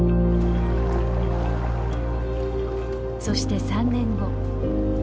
そして３年後。